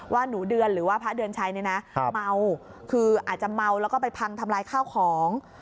ว่าหนูเดือนหรือว่าพระเดือนชัยเนี่ยนะเมาคืออาจจะเมาแล้วก็ไปพังทำลายข้าวของ